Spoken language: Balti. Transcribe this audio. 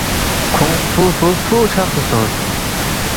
کھونگ فُوفُو فُو چھقسے سونگس